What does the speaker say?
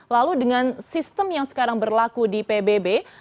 lalu dengan sistem yang sekarang berlaku di pbb